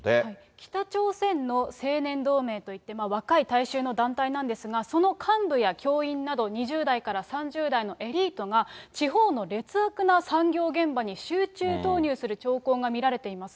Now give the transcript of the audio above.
北朝鮮の青年同盟といって、若い大衆の団体なんですが、その幹部や教員など２０代から３０代のエリートが、地方の劣悪な産業現場に集中投入する兆候が見られています。